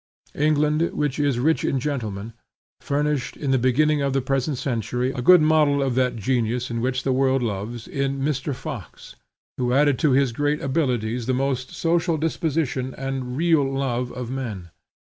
England, which is rich in gentlemen, furnished, in the beginning of the present century, a good model of that genius which the world loves, in Mr. Fox, who added to his great abilities the most social disposition and real love of men.